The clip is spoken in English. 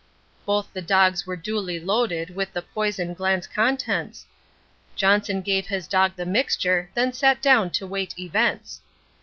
Both the dogs were duly loaded with the poison gland's contents; Johnson gave his dog the mixture, then sat down to wait events.